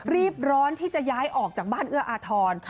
รีบร้อนที่จะย้ายออกจากบ้านเอื้ออาทร